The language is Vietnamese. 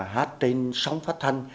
hát trên sóng phát thanh